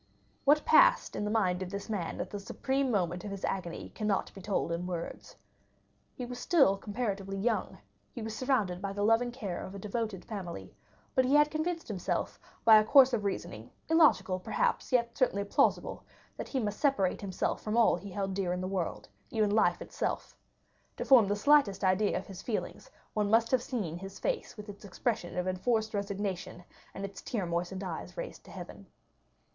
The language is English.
What passed in the mind of this man at the supreme moment of his agony cannot be told in words. He was still comparatively young, he was surrounded by the loving care of a devoted family, but he had convinced himself by a course of reasoning, illogical perhaps, yet certainly plausible, that he must separate himself from all he held dear in the world, even life itself. To form the slightest idea of his feelings, one must have seen his face with its expression of enforced resignation and its tear moistened eyes raised to heaven.